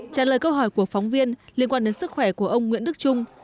trả lời câu hỏi của phóng viên liên quan đến sức khỏe của ông nguyễn đức trung